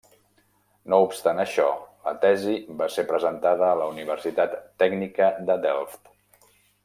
No obstant això, la tesi va ser presentada a la Universitat Tècnica de Delft.